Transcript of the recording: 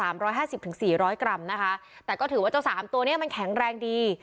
ร้อยห้าสิบถึงสี่ร้อยกรัมนะคะแต่ก็ถือว่าเจ้าสามตัวเนี้ยมันแข็งแรงดี